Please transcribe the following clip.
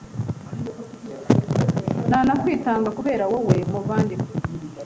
nanakwitanga kubera wowe, muvandimwe